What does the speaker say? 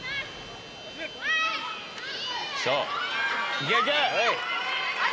いけいけ。